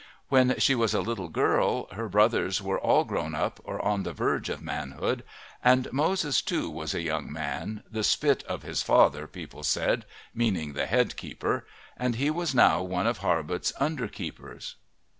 When she was a little girl her brothers were all grown up or on the verge of manhood, and Moses, too, was a young man "the spit of his father" people said, meaning the head keeper and he was now one of Harbutt's under keepers.